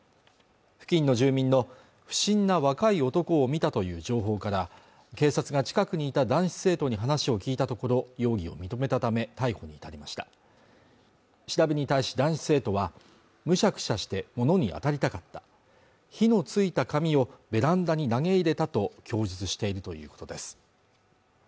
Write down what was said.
付近の住民の不審な若い男を見たという情報から警察が近くにいた男子生徒に話を聞いたところ容疑を認めたため逮捕に至りました調べに対し男子生徒はむしゃくしゃして物に当たりたかった火のついた紙をベランダに投げ入れたと供述しているということです